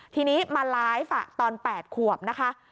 ทีนี้มาไลฟ์ตอน๘ขวบนะคะ